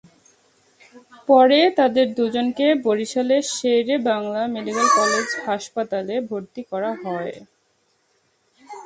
পরে তাঁদের দুজনকে বরিশালের শের-ই-বাংলা মেডিকেল কলেজ হাসপাতালে ভর্তি করা হয়।